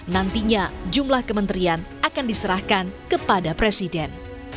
nantinya jumlah kementerian akan diserahkan kepada presiden